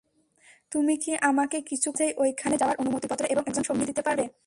তুমি কি আমাকে কিছুক্ষণের মাঝেই ঐখানে যাওয়ার অনুমতিপত্র এবং একজন সঙ্গী দিতে পারবে?